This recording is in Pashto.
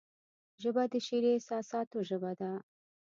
ژبه د شعري احساساتو ژبه ده